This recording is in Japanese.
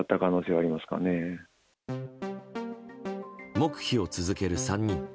黙秘を続ける３人。